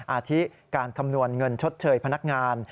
อาทิการคำนวณเงินชดเชยพนักงาน